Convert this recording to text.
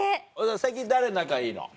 最近誰仲いいの？